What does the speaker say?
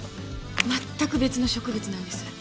全く別の植物なんです。